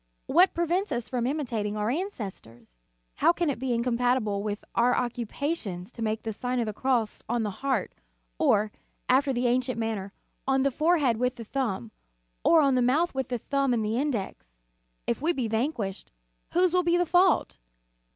What prevents us from imitating our ancestors? How can it be incompatible with our occupations to make the Sign of the Cross on the heart, or, after the ancient manner, on the forehead with the thumb, or on the mouth with the thumb and the index ? If we be vanquished, whose will be the fault?